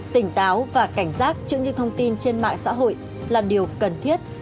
tỉnh táo và cảnh giác trước những thông tin trên mạng xã hội là điều cần thiết